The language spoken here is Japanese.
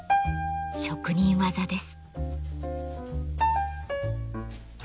職人技です。